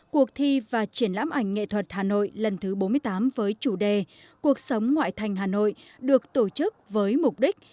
cuộc thi và triển lãm ảnh nghệ thuật hà nội lần thứ bốn mươi tám với chủ đề cuộc sống ngoại thành hà nội được tổ chức với mục đích